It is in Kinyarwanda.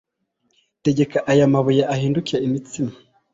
tegeka aya mabuye ahinduke imitsima."